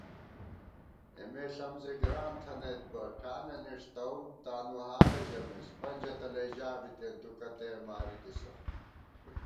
اېمےݪم زی گران تھنَئیت بہ ٹھانہ نِݭ تؤم تانُوحالہ ژمېس * پنجہ تلَئ ژا بِتېن تُو کتّیَہ مارِتِسہ